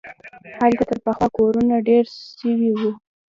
هلته تر پخوا کورونه ډېر سوي وو.